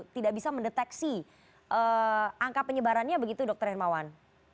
tidak bisa mendeteksi angka penyebarannya begitu dr hemawan